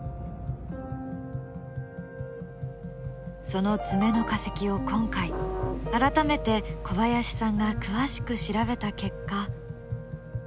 その爪の化石を今回改めて小林さんが詳しく調べた結果。